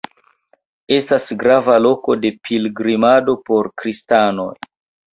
Estas grava loko de pilgrimado por kristanoj.